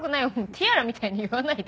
ティアラみたいに言わないで。